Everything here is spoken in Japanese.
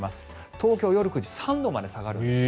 東京夜９時３度まで下がるんです。